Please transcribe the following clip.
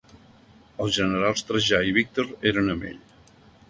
Els generals Trajà i Víctor eren amb ell.